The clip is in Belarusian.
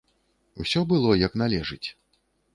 Усё было як належыць.